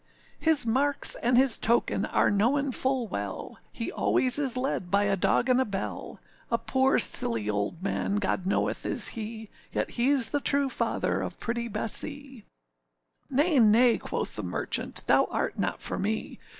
âHis marks and his token are knowen full well, He always is led by a dog and a bell; A poor silly old man, God knoweth, is he, Yet heâs the true father of pretty Bessee.â âNay, nay,â quoth the merchant, âthou art not for me.